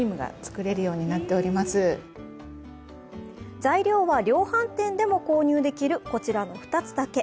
材料は量販店でも購入できるこちらの２つだけ。